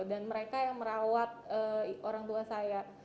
dan mereka yang merawat orang tua saya